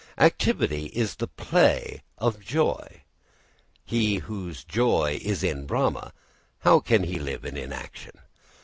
Activity is the play of joy. He whose joy is in Brahma, how can he live in inaction?